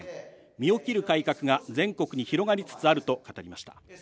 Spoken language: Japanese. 身を切る改革が、全国に広がりつつあると語りました。